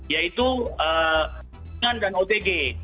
yaitu kesehatan dan otg